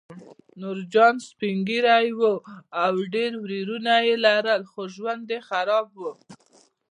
نورجان سپین ږیری و او ډېر ورېرونه یې لرل خو ژوند یې خراب و